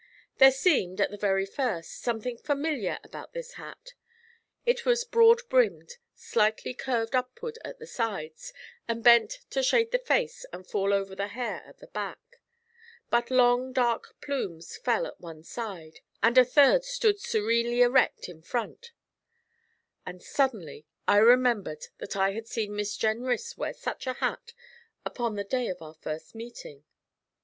There seemed, at the very first, something familiar about this hat. It was broad brimmed, slightly curved upward at the sides, and bent to shade the face and fall over the hair at the back; but long dark plumes fell at one side, and a third stood serenely erect in front; and suddenly I remembered that I had seen Miss Jenrys wear such a hat upon the day of our first meeting.